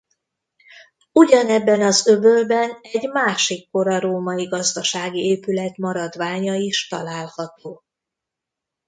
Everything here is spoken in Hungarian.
Ugyanebben az öbölben egy másik kora római gazdasági épület maradványa is található.